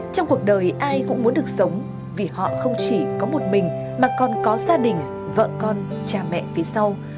trong cuộc đời ai cũng muốn được sống vì họ không chỉ có một mình mà còn có gia đình vợ con cha mẹ phía sau